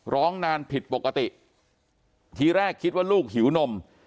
ร้องนานผิดปกติทีแรกคิดว่าลูกหิวนม